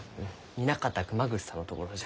南方熊楠さんのところじゃ。